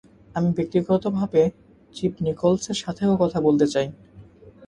আমি ব্যাক্তিগত ভাবে চিফ নিকলসের সাথেও কথা বলতে চাই।